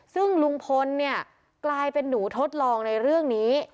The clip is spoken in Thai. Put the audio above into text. ซึ่งลุงพลเนี่ยกลายเป็นหนูทดลองในเรื่องนี้